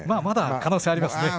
まだ可能性があります。